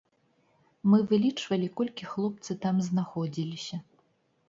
Мы вылічвалі, колькі хлопцы там знаходзіліся.